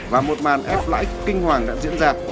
và một màn ép lãi kinh hoàng đã diễn ra